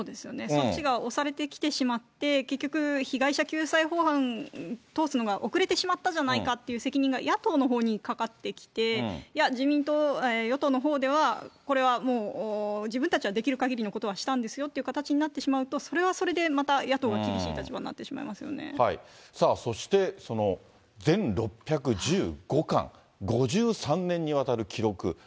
そっちが押されてきてしまって、結局、被害者救済法案通すのが遅れてしまったじゃないかという責任が野党のほうにかかってきて、いや、自民党、与党のほうでは、これはもう、自分たちはできるかぎりのことはしたんですよって形になってしまうと、それはそれで、また野党が厳さあ、そしてその全６１５巻、５３年にわたる記録。